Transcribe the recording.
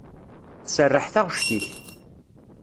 Tserreḥ taɣect-ik.